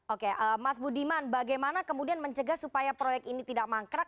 oke mas budiman bagaimana kemudian mencegah supaya proyek ini tidak mangkrak